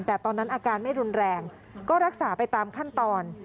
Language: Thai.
แต่ตอนนั้นอาการไม่รุนแรงก็รักษาไปตามขั้นตอน